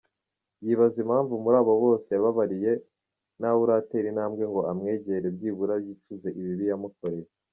Yibaza impamvu muri abo bose yababariye, ntawuratera intambwe ngo amwegere byibura yicuze ibibi yamukoreye.